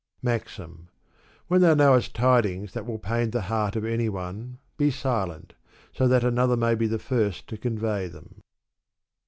MAXDf. When thou knowest tidings that will pain the heart of any one, be silent, so that another may be the first to convey them.